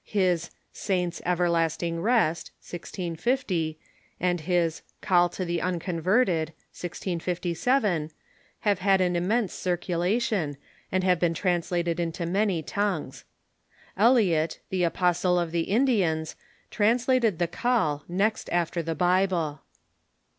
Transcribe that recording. His "Saint's Everlasting Rest" (1650) and his "Call to the Unconverted" (1657) have had an immense circulation, and have been translated into many tongues. Eliot, the Apostle of the Indians, translated the "Call" next after the Bible.